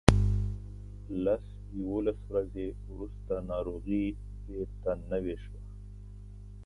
لس یوولس ورځې وروسته ناروغي بیرته نوې شوه.